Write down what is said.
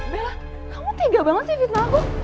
bella kamu tega banget sih fitnah aku